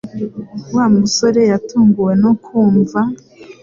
Wa musore yatunguwe no kumva